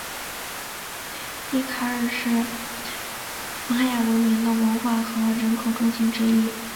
蒂卡尔是玛雅文明的文化和人口中心之一。